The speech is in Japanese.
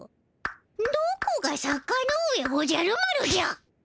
どこが坂ノ上おじゃる丸じゃ！？